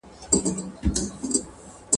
هم دا دنیا هم آخرت دی د خانانو موري ..